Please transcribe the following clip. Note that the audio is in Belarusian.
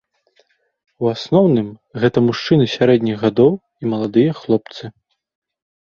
У асноўным гэта мужчыны сярэдніх гадоў і маладыя хлопцы.